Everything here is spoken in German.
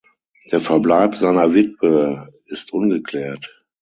Der Verbleib seiner Witwe ist ungeklärt.